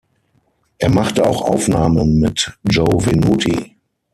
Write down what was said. Er machte auch Aufnahmen mit Joe Venuti.